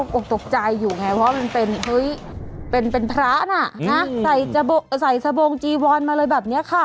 อกตกใจอยู่ไงเพราะมันเป็นพระนะใส่สบงจีวอนมาเลยแบบนี้ค่ะ